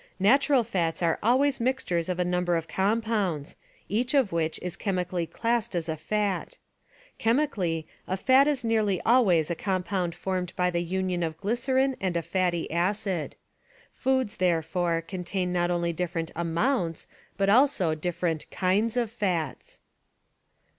Natural fats are always mixtures of a number of compounds, each of which is chemically classed Fats as a fat. Chemically, a fat is nearly always a compound formed by the union of glycerine and a fatty acid. Foods, therefore, contain not only different amounts but also different kinds of fats.